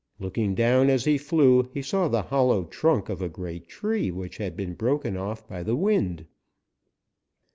Looking down as he flew, he saw the hollow trunk of a great tree which had been broken off by the wind.